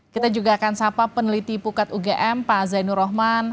kita juga akan sapa peneliti pukat ugm pak zainur rohman